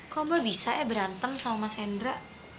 kok mbak bisa eh berantem sama mas hendra